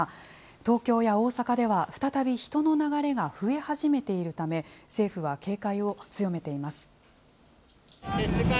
東京や大阪では、再び人の流れが増え始めているため、政府は警戒を強めています。